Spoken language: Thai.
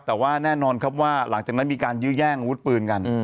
แต่ว่าแน่นอนครับว่าหลังจากนั้นมีการยื้อแย่งอาวุธปืนกัน